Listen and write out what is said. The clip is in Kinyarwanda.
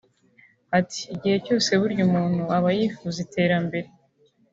Ati “Igihe cyose burya umuntu aba yifuza iterambere